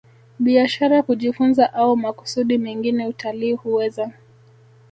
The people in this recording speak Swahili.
biashara kujifunza au makusudi mengine Utalii huweza